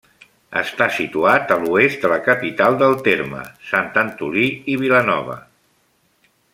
Està situat a l'oest de la capital del terme, Sant Antolí i Vilanova.